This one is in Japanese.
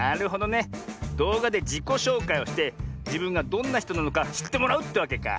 どうがでじこしょうかいをしてじぶんがどんなひとなのかしってもらうってわけか。